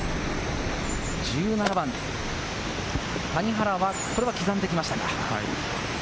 １７番、谷原は刻んできましたか？